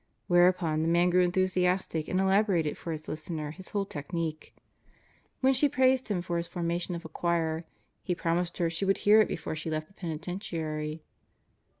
Whereupon tie man grew enthusiastic and elaborated for his listener his whole technique. When she praised him for his formation of a choir, he promised her she would hear it before she left the penitentiary.